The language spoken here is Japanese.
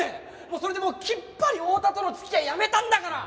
もうそれできっぱり大田との付き合いやめたんだから。